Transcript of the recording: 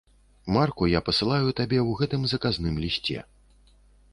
Марку я пасылаю табе ў гэтым заказным лісце.